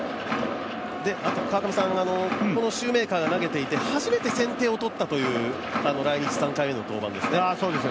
川上さん、このシューメーカーが投げていて初めて先手を取ったという、来日３回目の登板ですよね。